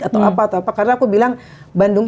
atau apa atau apa karena aku bilang bandung